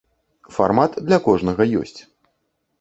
Фармат для кожнага ёсць.